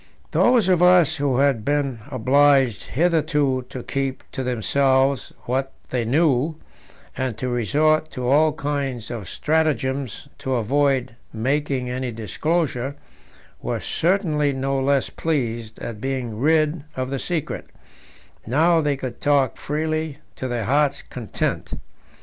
Those of us who had been obliged hitherto to keep to themselves what they knew, and to resort to all kinds of stratagems to avoid making any disclosure, were certainly no less pleased at being rid of the secret; now they could talk freely to their heart's content.